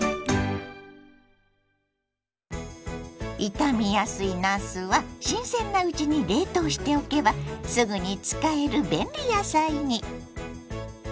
傷みやすいなすは新鮮なうちに冷凍しておけばすぐに使える便利野菜に。